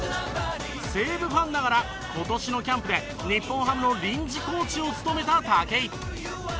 西武ファンながら今年のキャンプで日本ハムの臨時コーチを務めた武井。